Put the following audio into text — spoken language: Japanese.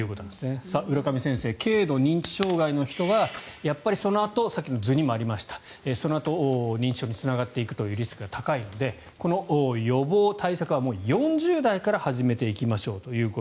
浦上先生、軽度認知障害の人はやっぱりそのあとさっきの図にもありましたがそのあと認知症につながっていくというリスクが高いのでこの予防・対策は４０代から始めていきましょうということ。